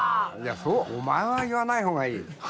お前は言わないほうがいい。